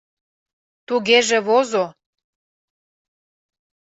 — Тугеже возо.